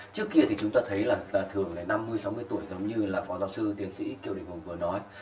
trước kia thì chúng ta thấy là thường là năm mươi sáu mươi tuổi giống như là phó giáo sư tiến sĩ kiều đình hùng vừa nói